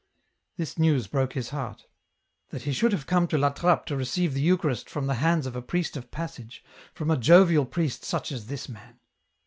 This news broke his heart. That he should have come to La Trappe to receive the Eucharist from the hands of a priest of passage, from a jovial priest such as this man